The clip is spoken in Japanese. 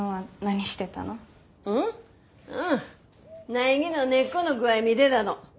苗木の根っこの具合見でたの。